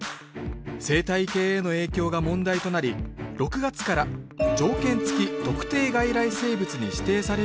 生態系への影響が問題となり６月から条件付き特定外来生物に指定されることになったのです